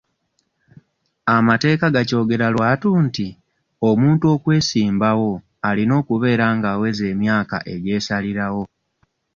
Amateeka gakyogera lwatu nti omuntu okwesimbawo alina okubeera ng'aweza emyaka egy'esalirawo.